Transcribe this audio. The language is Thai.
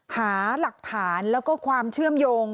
หาหลักฐานแล้วก็ความเชื่อมโยง